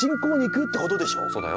そうだよ。